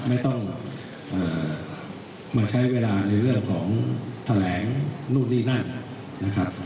ไม่ต้องมาใช้เวลาในเรื่องของแถลงนู่นนี่นั่นนะครับ